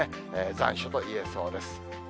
残暑といえそうです。